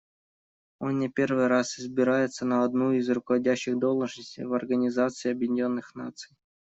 Он не первый раз избирается на одну из руководящих должностей в Организации Объединенных Наций.